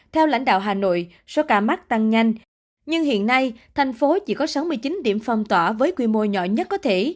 theo lãnh đạo hà nội số ca mắc tăng nhanh nhưng hiện nay thành phố chỉ có sáu mươi chín điểm phong tỏa với quy mô nhỏ nhất có thể